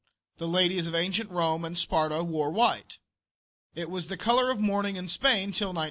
The ladies of ancient Rome and Sparta wore white. It was the color of mourning in Spain till 1498.